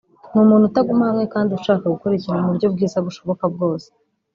ni umuntu utaguma hamwe kandi ushaka gukora ikintu mu buryo bwiza bushoboka bwose